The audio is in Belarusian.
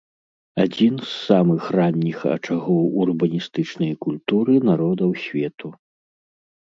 Адзін з самых ранніх ачагоў урбаністычнай культуры народаў свету.